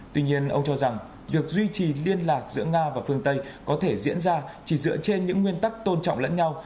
tuy nhiên ông cho rằng việc duy trì liên lạc giữa nga và phương tây có thể diễn ra chỉ dựa trên những nguyên tắc tôn trọng lẫn nhau